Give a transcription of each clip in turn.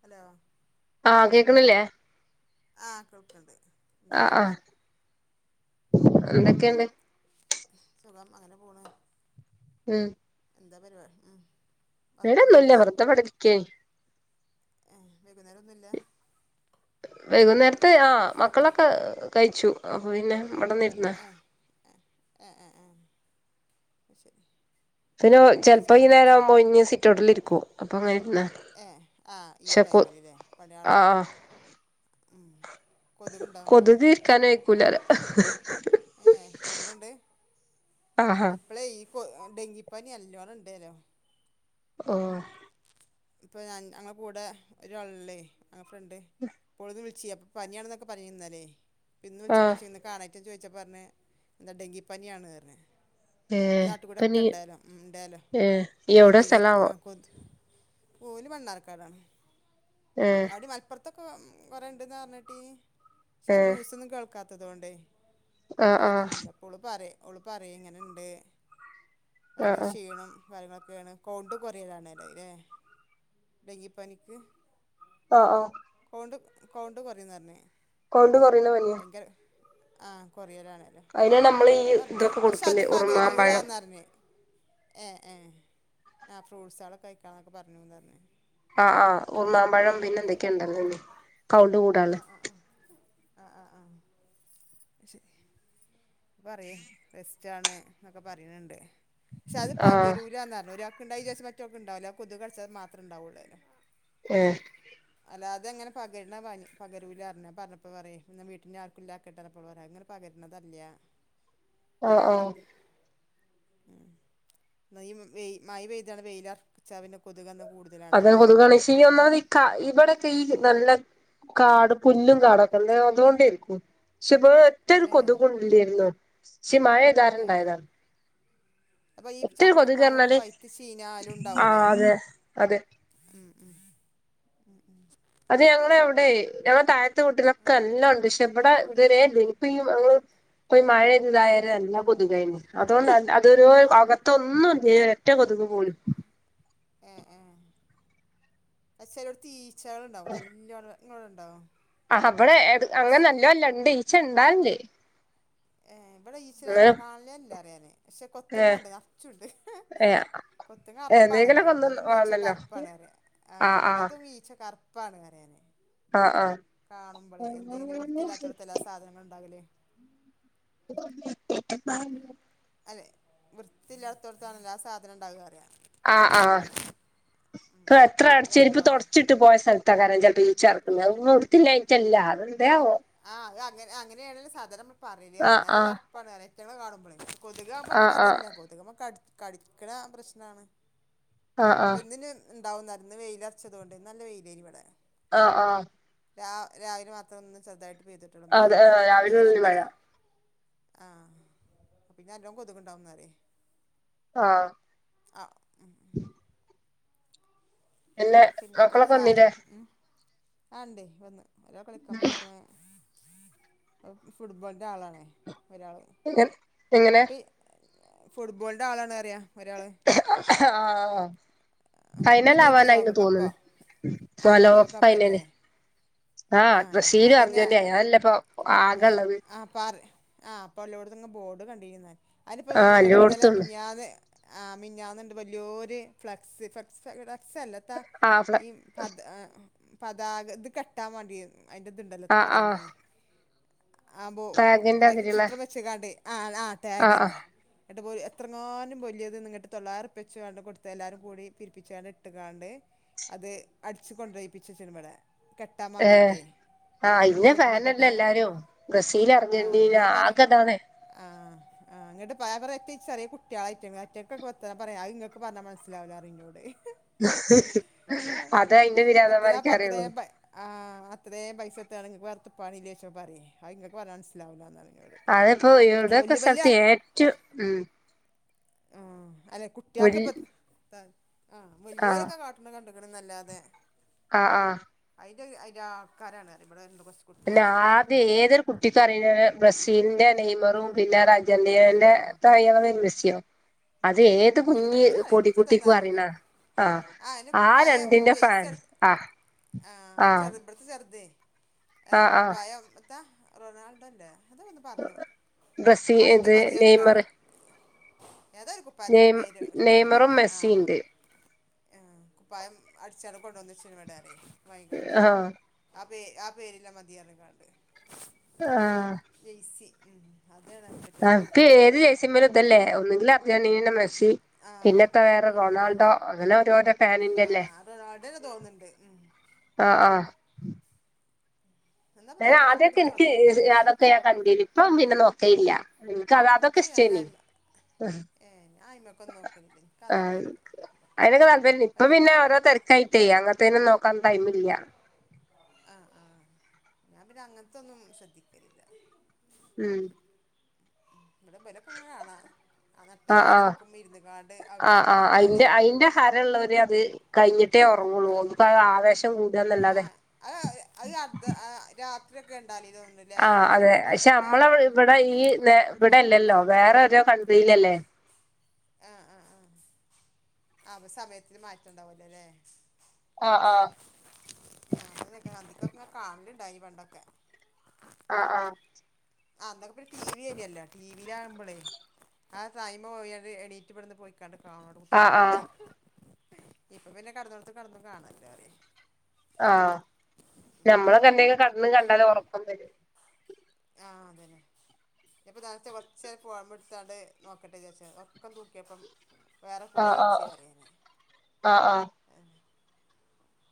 Hello ആ കേക്കണില്ലേ ആഹ് കേൾക്ക്ണ്ട് എന്തൊക്കെണ്ട് സുഖം അങ്ങനെ പോണ് മ്മ് എന്താ പരിപാടി മ്മ് ഇടെ ഒന്നൂല്ല വെറ്തെ ഇവിടിരിക്കയ്നി ഏഹ് വൈകുന്നേരം ഒന്നുല്ല വൈകുന്നേരത്തെ ആ മക്കളൊക്കെ കഴിച്ചു അപ്പൊ പിന്നെ ഇവിടെ ന്നിരുന്ന ആഹ് ആഹ് ആരി പിന്നെ ചിലപ്പോ ഈ നേരം ആവുമ്പോ ഒയിഞ്ഞ സിറ്റോട്ടിലിരി കും അപ്പോ ങ്ങനെ ഏഹ് ആഹ് ഈ ടൈമിൽല്ലേ പണിയാള ആഹ് മ്മ് കൊതുക്ണ്ടോ കൂലല ഏഹ് കൊതുക്ണ്ട് ആഹാ ഇപ്പളെ ഈ ഡെങ്കിപ്പനി അല്ലോണം ഇണ്ടെല്ലോ ഓഹ് ഇപ്പൊ ഞാൻ ഞങ്ങള കൂടെ ഒരാള്ല്ലേ ആ ഫ്രണ്ട് ഇപ്പോളന്ന് വി ച്ച് അപ്പൊ പനിയാണെന്നൊക്കെ പറഞ്ഞിരുന്നല്ലേ ഇന്ന് വിളിച്ചപ്പോ ആഹ് ഇന്ന് കണ ഞാൻ ചോയിച്ചാപ്പെ പറഞ്ഞ് എന്താ ഡെങ്കിപ്പനിയാണ് പറഞ്ഞ് ഓലെ ഏഹ് നാട്ടില് കൂടെ ഇപ്പൊ ഒക്കെ നീ ഉണ്ടെലോ ഉണ്ടാലോ ഏഹ് എവിടെ കൊതുക് സ്ഥലാവോ ആഹ് കൊതുക് ഓല് മണ്ണാർക്കാടാണ് ഏഹ് അവിടി മലപ്പുറ ഇതൊക്കെ കൊറെ ഇണ്ട് പറഞ്ഞ് കേട്ടിനി ഞാന് ഏഹ് ന്യൂസ് ഒന്നും കേൾക്കാ കെതുക്കൊണ്ടേ ആഹ് ഒരു ഐഡിയ ആഹ് ഒന്നും ഇല്ല ഇപ്പോള് പറയേ ഒള് പറയെ ഇങ്ങനെണ്ട് ആഹ് ഭയങ്കര ആഹ് ക്ഷീണം കാര്യങ്ങളൊക്കെ ക്കെയാണ് കൗണ്ട് കൊറയലാണ് അല്ലേ ഡെങ്കിപനിക്ക് ഒ ഒ ണ്ട് കൗണ്ട് കൊറയുന്ന്റന്ന് കൗണ്ട് കൊറയുന്ന പനിയാ ആഹ് കുറയലാ അതിനെ നമ്മള് ഈ ഇതൊക്കെ കൊടുക്കലേ ഉറുമാമ്പഴം പകരൂലാന്ന് പറഞ്ഞ് ഏ ആ ഫ്രൂട്ട്സകളക്ക കയിക്ക ക്കെ പറഞ്ഞുന്ന്റഞ്ഞെ ആഹ് ആഹ് ഉർമാമ്പഴം പിന്നെ എന്തൊക്കെണ്ടല്ലോ വീ കൗണ്ട് കൂട്ടാന് ആ ആ അശരി പറയേ റസ് ജ്ജാണ് ന്നൊക്കെ പറീണ് ണ്ട് ക്ഷെ അത് ആഹ് പകരൂലന്നറഞ്ഞു ഒരാ ണ്ടായിചാര്ച്ച് മറ്റോക്ക്ണ്ടാവൂല കൊതുകട്ച്ചാൽ മാത്രം ഉണ്ടാവൊള്ളത്‌. ഏഹ അല്ലാതെങ്ങനെ പകര്ന്ന പനി പകരൂലാർഞ്ഞു അഅ് പറഞ്ഞപ്പോ പറയേ പന്നെ വീട്ടിന്നെആർക്കുംല്ലാക്കട്ടെ എന്നർനപ്പോപറ അഅങ്ങനെ പകര്ണതല്ല്യ ഒ ഓഹ് ഉം ന്ന ഈ വെയി മഴ പെയ്താണ്ട് വെയിലാർച്ചാ പിന്നെ കൊതുകൊന്നും അതാ കൊതുകാണ് ക്ഷീ ഈ ഒന്നാമത് ഈ കാ ഇവിടൊക്കെ ഈ നല്ല കാട് പുല്ലും കാടൊക്കെ ണ്ട് അന്നുകൊണ്ടേയിരിക്കും പക്ഷെ ഇപ ഒറ്റൊരു ഏ കൊതുകും ഇല്ലേയ്ര്ന്നു. ശെ ഏ മഴയ്താരെണ്ടായതാണ് അപ്പൊ ഈ ഒറ്റൊരു ചക്കി മാങ്ങൊക്കെ കൊതുക്അർഞ്ഞാല് പൈത്ത് ചീഞ്ഞാലും ആ ഉണ്ടാവൂലേ അതെ അതെ ഞങ്ങളഅവിടെയ് ഞങ്ങളെ താഴ്ത്തെ വീട്ടിലൊക്കെ നല്ലോംണ്ട് പക്ഷെ ഇവിടെ ഇത് വരെല്ലേയ്നു ഇപ്പ ഈ മാ പ്പൊ മഴെയ് ഇതായാരെ നല്ല കൊതുകായ്ന്. ഇതോരോരു അകത്തൊന്നും ഏ ഒറ്റ കൊതുകു പോലും എ ഏ അ ചിലയിടത്ത് ഈ ച്ചളുണ്ടാവും നല്ല ഇങ്ങോടെ ഉണ്ടാ ആ അവിടെ അങ്ങനെ നല്ലല്ല ഇണ്ട് ഈ ച്ച ഇണ്ടല്ൻഡ് ഏ ഇവിടെ ഈച്ചകളെ കാണില്ലല്ല അറിയാ ഞാൻ പക്ഷെ ഏ കൊത്തുങ്ങ ഇണ്ട് നർച്ചുണ്ട് ഏ കൊത്തു അറപ്പാണല്ലോ എന്തെങ്കിലൊക്കെ ഒന്ന് അത്ും വേണല്ലോ ഈച്ചക്കറപ്പാണ്റിയ ആ അത് ഈച്ചക്കറുപ്പ പാ ആ ആ [unintelligible] കാണുമ്പോളേ എന്തെങ്കിലും വൃത്തില്ലാത്തടത്തെ എല്ലാ സാധനങ്ങളൾ ഇണ്ടാകൽ അല്ലെ വൃത്തില്ലാത്തോടത്താണല്ല ആ സാധനം ഇണ്ടാവ അറിയാ ആ ആ ഇ എത്ര അപ്പം അടച്ചരിപ്പ കറുപ്പാണ് തുടച്ചിട്ട പോയ സ്ഥലത്ത് [unintelligible] ചിലപ്പോ ഈച്ചിറക്കുന്നെ [unintelligible] ആ അഹ് അങ്ങനെ അങ്ങനെയണങ്കില സാധാരണ നമ്മ പറയല് ആ എന്നാലും ആ ഒരു അർപ്പാണ് റിയ കുട്ട്യാളെ കാണുമ്പളെ കൊതുകാവുമ്പ ആ ആ നമക്കതന്നെ കൊത്ക് ന കടി കടിക്കണ പ്രശ്നാണ്. ആഹ് ആഹ് ഉണ്ടാവുന്നാരുന്നു വെയിലറച്ചതോണ്ട്. നല്ല വെയിലാനിവടെ. ആഹ് ആഹ് രാ രാവില മാത്രം ഒന്ന് ചെറുതായിട്ട് പെയ്തിട്ടൊള്ള മയ. അതെ ഇവിടക്കെ രാവിലെ മുതൽ നല്ല മഴ വെ ആഹ് പിന്നെല്ലോം കൊതുകുണ്ടാവു നെറേ. ആ അ പിന്നെ മക്കളൊക്കെ വന്നില്ലേ? ആണ്ടെ വന്ന്. അവരാ കളിക്കാൻ പോയ്ക്കണെ. [unintelligible] ഫുട്ബോളിന്റെ ആളാണേ. [unintelligible] എങ്ങനെ? ഫുട്ബോളിൻ്റെ ആളാണറയാ. ആ ഇപ്പം ഇനിയത്തെ ഫൈനലാവാനായിന്ന് ലോകകപ്പോ തോന്ന്ണ്. ആഹ് ഫലോ ലോകകപ്പല്ലേ ഫൈനല് ആ ആഹ് ബ്രസീലും അതിന് അർജന്റീ അഎല്ലപ്പൊ ആകെള്ളത് ആഹ് പറ ആഹ് പ്പൊല്ലോട്ത്ത്ങ്ങ ബോഡ് കണ്ടിരുന്ന് അയ്നിപ്പം ആഹ് ങ്ങട് ന്നലെ എല്ലോട്ത്തുണ്ട് മിഞാന്ന് ആ മിഞ്ഞാന്ന്ണ്ട് വല്ല്യോര് ഫ്ലെക്സ് ഫ്ല സൈഡാ സല്ലത്ത ആഹ് ഫ്ല ഈ പത് ഏ അതാ കത് കെട്ടാൻ മാണ്ടി അയിന്റത്ണ്ടല്ലോ ത്ത ആഹ് ആഹ് പറയ്ഞേ അ ബോ ഫ്ളാഗിന്റെ അയ്ല് അതിലുള്ള ചിത്രം വെച്ച്ങ്ഗാണ്ടെ ആഹ് ആഹ് ട്ടാഗന്നെ ന്നട്ട് പോയി എത്രങ്ങാനും വല്യേത് നിങ്ങട്ട് തൊള്ളാറുപ്യച്ച് വേണ്ടകൊടുത്ത് എല്ലാരും കൂടി പിരിപ്പിച്ചാണ് ഇട്ട്ഗാണ്ട് അത് അടിച്ച് കൊണ്ടോയിപ്പിച്ചിച്ചിണ്ട് ഇവിടെ കെട്ടാൻ ഏഹ് മാണ്ടിയിട്ട് ആ ഇന്ന് റോട്ട്മ്മെ ഫാനല്ലേ കെട്ടാൻ എല്ലാരും ബ്രസീൽ ആ അർജന്റീന ആ ഗതാണ് ആഹ് ങ്ങട്ട് ഫേവറെത്തിക്സ്റിയ കുട്ടികളെയ്റ്റ്ങ്ങാട്ട് [unintelligible] അഹ് ഇങ്ങക്ക് പർഞ്ഞാ മൻസിലാവുലറി ഹ് ഹ് ഹ് അത് അയിന്റെ പിരാന്തന്മാര്ക്കേ എത്തിനാപ്പം അറിയുള്ളൂ അത്രേം പൈ ആ അത്രേം [unintelligible] അത് നിങ്ങക്ക് പറഞ്ഞ മനസ്സിലാവില്ലാന്നറയും. അതിപ്പോ [unintelligible] സ്ഥൽത്ത് ഏറ്റു ഉം ആ അല്ലെ വൽ കുട്ട്യാക്കിപ്പ ആ വെല്ല്യോരൊക്കെ കാട്ടണ കണ്ട് [unintelligible] അല്ലാതെ ആ ആ ന്റെ അയിന്റെ ആൾക്കാരാണ് ഇവിടെന്തും പിന്നെ ആദ്യ ഏതൊരു കുട്ടിക്കറിയുന്ന ബ്രസീലിന്റെ നെയ്മറും [unintelligible] [unintelligible] സ്യൊ അത് ഏത് കുഞ്ഞ് ഇച്ച് ഇച്ച് ഇതൊന്നും പൊടികുട്ടിക്കും അറിയില്ല അറിണാ ആ അതിന് ആ കുപ്പായം രണ്ടിന്റെ ജെയ്സി ഫാൻസ് ആ ആ അതെ കുപ്പായം താ റൊണാൾഡോ ല്ലേ? ബ്രസീ ഇത് നെയ്മർ പ്പദ്മെ പേര് ഒട്ടിച്ചാണ് നെയ്മറും കൊണ്ട് ആ മെസ്സിണ്ട് ആ കുപ്പായം അടിച്ചാണ് കൊണ്ട് വന്നെച്ചെക്കിനിവടെറയ്‌ വൈകാണ്ട് ആഹ് പേ ആ പേരിലെ മതിയനെക്കാണ്ട് ആ ഉം അതെയതെ. [unintelligible] ആഹ് പിന്നത്തെ വേറെ ആഹ് റൊണാൾഡോ അങ്ങനെ ഓരോരോ ഫാനിന്റെല്ലേ ആഹ് അത് അതെന്നെ തോന്ന്ണ്ട് ഉം ആ ആ എന്നാപ്പം ഞാൻ തൊടങ്ങാ ആദ്യക്കെ ഇപ്പട്ത്ത് എനിക്ക് തൊടങ്ങും തോന്ന്ണ്ട്ല്ലേ അതൊക്കെ ഞാൻ കണ്ടിന് ഇപ്പ പിന്നെ നോക്കലില്ല ഇൻക്ക് അതൊക്കെ ഇച്ച് പിന്നെ ഇഷ്ടായിന് അയ്മ ഏഹ് ഞാൻ അയ്മക്കൊന്നും നോക്കലില്ല ഇൻക്ക് ആ അതൊക്കൊരു അതിനൊക്കെ തല്പര്യ ഇപ്പ പിന്നെ അതൊക്കെങ്ങനെ ഓരോ തെരക്കായിട്ടേ അങ്ങനത്തെനൊന്നും നോ ക്കാൻ ടൈമില്ല. ആ ആ ഞാൻ പിന്നെ അങ്ങൻത്തൊന്നും ശ്രദ്ധിക്കലില്ല. ഉം ഇവിടെ [unintelligible] കാണാ. നട്ട ആ ആ പാതിരിക്കുമ്മെ ഇരുന്ന്ക്കാണ്ട് അത് ആ കാണ് ആ ണ് കളി അയിന്റെ അയിന്റെ ഹരോള്ളൊര് അത് കഴഞ്ഞിട്ട് റ്റേ ഉറങ്ങുള്ളൂ ആഹ് പ്പതാവേശം കൂടന്നല്ലാതെ ആഹ് അത് അത് അർദ്ധ ആ, [unintelligible] തോന്നുന്നുല്ലേ ആ ഒരു അതെ മണിക്ക് രണ്ട് ശെ മണിക്കൊക്കെ നമ്മള ഇവിടെ ഈ ഇവിടെല്ലല്ലോ. വേറെ ഓരോ കൺട്രിയിലല്ലേ. ആ ആ ആ അപ്പ സമയത്തിന് മാറ്റണ്ടാവുവല്ലോ ല്ലേ? ആ ആ ഞാനാതൊക്കെ അന്തിക്കൊക്കെ കാണലുണ്ടായി പണ്ടൊക്കെ. ആ ആ ആന്നൊക്കെ ടി വി ഏനിയല്ലോ ടിവിയില ആകുമ്പോളേ ആ [unintelligible] എണീറ്റ് ഇടന്ന് പോയി ന്നിട്ട് [unintelligible] ആഹ് കുത്തിർന്നാട്ട് ആഹ് ഇപ്പൊ പിന്നെ കടന്നൊടുത്ത് കടന്നും കാണല്ലോ റിയ ആ ഞമ്മളൊക്കെ എന്തെങ്കിലും കണ് കണ്ടാല ഉറക്കം വരും ആ അതന്നെ ഇപ്പ തനച്ച കുറച്ച നേര ഫോമ്പടുത്താണ്ട് നോക്കട്ടെജച്ച ഉറക്കം തൂക്കിയപ്പം വേറെ ആഹ് ആഹ് പോഴിച്ച അറിയനി ആഹ് ആഹ്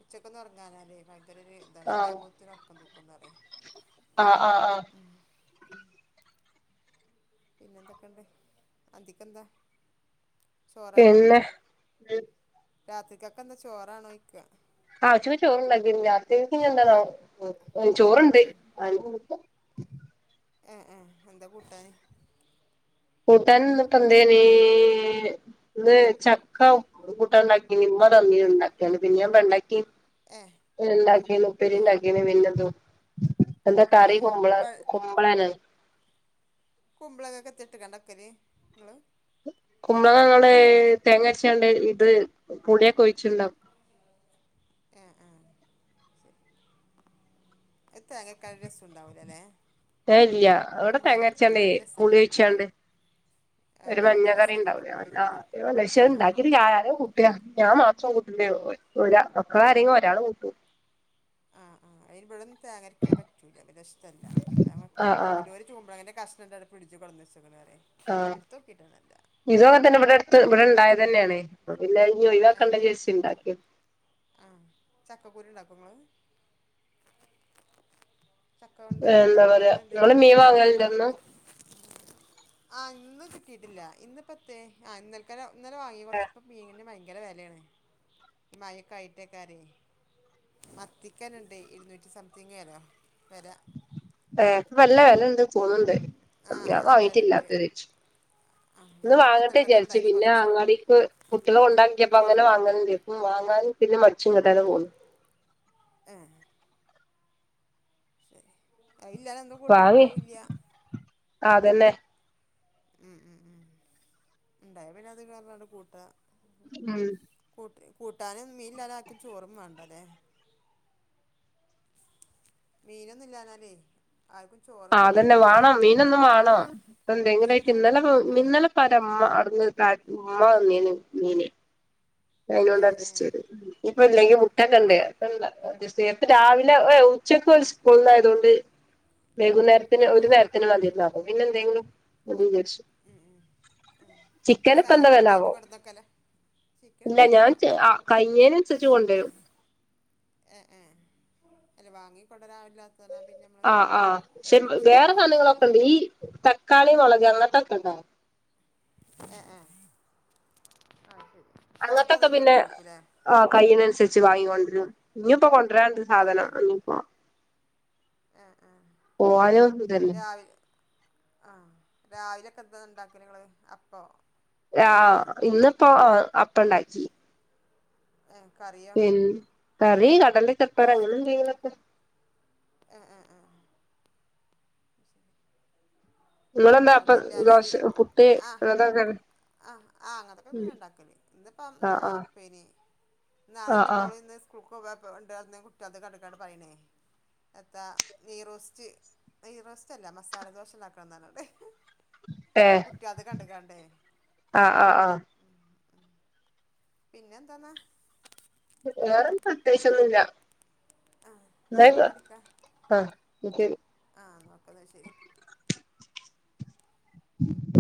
ഉച്ചക്കൊന്നു ഉറങ്ങാനല്ലേ [unintelligible] ഒരര് ഇതാണ് ആഹ് ത്യാബോത്തിനൊറക്കം തൂക്കുന്നറേ ആഹ് ആഹ് ആഹ് ഉം പിന്നെന്തൊക്കെണ്ട് അന്തിക്കെന്താ ചോറാണോ പിന്നെ രാത്രിക്കൊക്കെ എന്താ ചോറാണോയ്ക്ക ആ ചുമ്മി ചോറോണ്ടാക്കിന് രാത്രില്ക്കിനി എന്താണാവോ ഉം ചോറുണ്ട് ആ ആ എന്താ കൂട്ടാന് കൂട്ടനിന്നിട്ട് എന്തെനി ന്ന് ചക്ക കൂട്ടൻണ്ടാക്കി ഉമ്മ തന്നി ഉണ്ടാക്കിയാണ് പിന്നെ പ ഏ ണ്ടാക്കി ഏ [unintelligible] എന്താ കറി ഏ ക്മ്പ്ള വ ക്മ്പ്ളണോ കുമ്പ്ളങ്ങക്കെ തെട്ട കണ്ടക്കല് ങ്ങള് കുമള ങ്ങ തേങ്ങച്ചണ്ട് അത് പുളിയെകൊഴിച്ചോണ്ട ആ ആഹ ശ തിരക്ക രസം ഉണ്ടാവൂല അല്ലെ ഏല്ല അവിടെ തേങ്ങരച്ചാണ്ടേ കുളി രസല്ലേ ഒഴിച്ചാണ്ട് ആ ഒരു ആ അത് മഞ്ഞ കറി രസാണ് കുഴപ്പൊന്നുല്ല ആ ഉണ്ടാവില്ല ആ ഇണ്ടാക്കി ആ കൂട്ടിയ ഞാൻ മാത്രം ക ഒ മക്കള അര്കിലും ഒരാൾ കൂട്ടും ആഹ് ആ അതിന്പട തേങ്ങരിക്ക പറ്റൂല വില്ലങ്ങക്ക ആഹ് ഇപ്പ ആഹ് മുര് ചുമ്പോഴ അങ്ങനെ കഷ് [unintelligible] പിടിച്ചുളഞ്ഞ [unintelligible] [inaudible] ആഹ ഇത് ലെന്നെ ഇവിടെടുത്ത് ഇവിടെണ്ടായ ത് ന്നെയാണ് ഇല്ല [inaudible] ജയ്ിവാക്കണ്ട ഏഹ് ജസ് ഇണ്ടാക് ആഹ് ചക്കക്കുരു ഇണ്ടാക്കോ ഇങ്ങള് ചക്കോണ്ട് എന്താ പറയാ കുരുവോണ്ട് എന്തേലും നിങ്ങള് ഇണ്ടാ മീൻ വാങ്ങാല് ണ്ടന്ന് ഒന്നും കിട്ടിയിട്ടില്ല ഇന്നപ്പത്തെേ ആഹ ഇന്നൽക്കാല ഇന്നലെ വാഗി കുറച്ച മീനും വാങ്ങി ഭയങ്കര വിലയാണ് ഈ മയൊക്കയിട്ടേക്കാര മത്തിക്കാനുണ്ട് ഇരുന്നൂറ്റി സംതിങ് വെല വര വല്ല വെല്ല എന്ത് തോന്നുണ്ട് ഞാൻ നല്ല വെലണ്ട് വാങ്ങീട്ടില്ലാത്ത വിച്ചു ആഹ് ഇന്ന് ഇന്നിപ്പം വാങ്ങട്ടെ ഇന്നൽക്കത്തെ വിചാരിച്ചു ഇണ്ടായിനി പിന്നെ കൊറച്ച് അങ്ങാടിക്ക് കുട്ടികള കൊണ്ടാക്കിയപ്പ അങ്ങനെ വാങ്ങണ ഉ മാഗനും പിന്നെ മടിച്ച് ഇങ്ങട്ടന്നെ പോന്നു ശെ അത് ഇല്ലാതെ ഒന്നും കൂട്ടാൻ ഇണ്ടാവൂല്യാ. തന്നെ ഉം ഉം ഉം ഉണ്ടായാ പിന്നെ അത് [unintelligible] കൂട്ടാ. ഉം കൂട്ടാനും മീൻ ഇല്ലാതെ ആർക്കും ചോറും വേണ്ടാ ല്ലേ? മീനൊന്നും ഇല്ലാന്നാലേ ആഹ് അതന്നെ വേണം മീനെന്നും വേണം, അപ്പ എന്തെങ്കിലും ആയിട്ട് ഇന്നലെ ആഹ് ഇന്നലെ ഇപ്പ ആരാ ഇമ്മ അവിടന്ന് കാ ഉമ്മ തന്നീനി മീന് അയിനോണ്ട് ഏഹ് അഡ്സ്റ്റ് ഏഹ് ചെയ്ത്, ഇപ്പ ഇല്ലെങ്കി മുട്ട ഒക്കെണ്ട് ഏഹ് ഇപ്പ എന്താ [unintelligible] അപ്പൊ രാവിലെ ഏ ഉച്ചക്ക് ഓര് സ്കൂൾന്ന് ആയതോണ്ട് വൈകുന്നേരത്തിന് ആഹ് ഒരു നേരത്തിന് മതിലോ അപ്പൊ പിന്നെ എന്തെങ്കിലും മതി [unintelligible] ആഹ് ഏഹ് ചിക്കന് ഇപ്പൊ എന്താ സാധനങ്ങൾ വെലാവോ? ഒന്നായിട്ട് കൊണ്ടന്നക്കലാ ചിക്കൻ ഇല്ല എന്താ ഞാൻ അറിയില്ല അഹ് കഴിഞ്ഞേനനുസരിച്ച് കൊണ്ടെരും. ഏഹ് ഏഹ് അല്ല വാങ്ങിക്കൊ ആ ആ ഒരുമിച്ചൊക്കെ വേറെ വാങ്ങലല്ലേ സാധനങ്ങളൊക്കെ ഉണ്ട് ഈ തക്കാളി മുളക് ങ്ങ തക്കണ്ട [unintelligible] [unintelligible] അങ്ങനത്തെ അങ്ങനത്തൊക്കെ ഒന്നായിട്ട് പിന്നെ കൊണ്ടുവരേക്കുല്ലേ ആ കൈയിനനുസരിച്ച് വാങ്ങിക്കൊണ്ടരും ഇനി ഇപ്പൊ കൊൺ ണ്ട് ആഹ് സാധനം ആഹ് അങ്ങ [unintelligible] പ്പ ഏഹ് ഏഹ് പോലോ ഒന്നുംതല്ലേ ആ രാവിലൊക്കെ എന്ത ഇണ്ടാക്കി നിങ്ങള് അപ്പൊ രാ ഇന്നിപ്പോ അപ്പ- പ്പണ്ടാക്കി കറിയോ അത കടലിലേക്കെ എത്ത [unintelligible] റ അങ്ങനെ എന്തെ ഏ ആ നിങ്ങളെന്താ അല്ല അപ്പ അതില്ലാല് ദോശ പുട്ട് ആ അതൊക്കെ ആ ആ അങ്ങനൊക്കെ ഇണ്ടാക്കല്ലേ ഇപ്പ എ ആഹ് ആ ആഹ് പി നാളെ ആഹ് എന്റെ ആഹ് മോളിൽ ഇന്ന് സ്കൂൾ കോവപ്പം ഉണ്ട്ന്ന കുട്ടികത് കണ്ടക്കാണ്ട് പറയണേ എത്താ നെയ്യ് റോസ്റ്റ് നെയ്യ് റോസ്റ്റ് അല്ല മസാലദോശല്ല ആക്കണം എന്നാണ്ല്ലേ ഏ കണ്ട്ക്കാണ്ടേ ആ ആ ആ പിന്നെ എന്തന്നാ വേറെ ഒന്നും പ്രതേകിച്ച് ഒന്നുമില്ല ആ ന്ന പിന്നെ വിളിക്ക ആഹ് ആ നോക്കന്ന ശരി ഉം